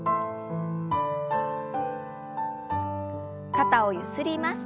肩をゆすります。